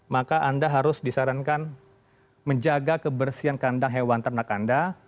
maka anda harus disarankan menjaga kebersihan kandang hewan ternak anda